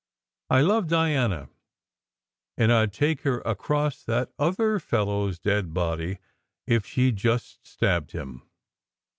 I love Diana, and I d take her across that other fellow s dead body if she d just stabbed him."